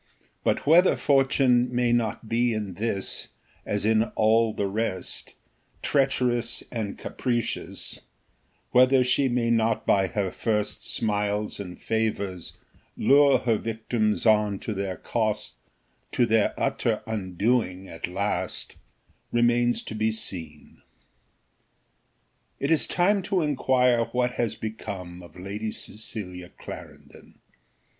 But whether Fortune may not be in this, as in all the rest, treacherous and capricious; whether she may not by her first smiles and favours lure her victims on to their cost, to their utter undoing at last, remains to be seen. It is time to inquire what has become of Lady Cecilia Clarendon.